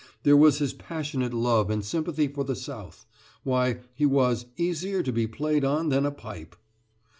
There was his passionate love and sympathy for the South why, he was "easier to be played on than a pipe."